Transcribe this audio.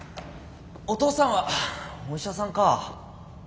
お父さんはお医者さんかぁ。